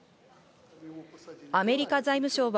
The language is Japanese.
アメリカ財務省は